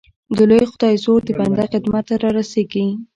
د لوی خدای زور د بنده خدمت ته را رسېږي